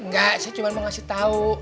enggak saya cuma mau kasih tau